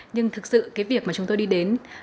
nhưng thực sự cái việc mà chúng tôi đi đến